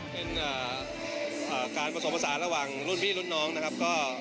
เป็นการผสมผสานระหว่างรุ่นพี่รุ่นน้องนะครับ